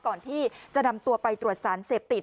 ก่อนที่จะนำตัวไปตรวจสารเสพติด